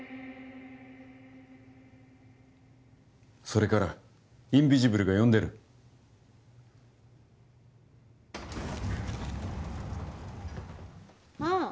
それからインビジブルが呼んでるああ